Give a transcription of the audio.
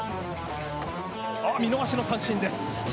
見逃しの三振です。